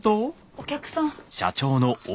お客さん。